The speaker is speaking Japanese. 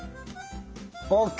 ＯＫ。